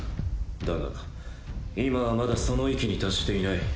だが今はまだその域に達していない。